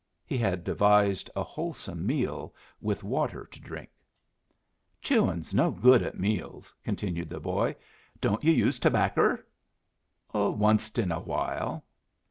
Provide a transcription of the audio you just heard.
He had devised a wholesome meal, with water to drink. "Chewin's no good at meals," continued the boy. "Don't you use tobaccer?" "Onced in a while."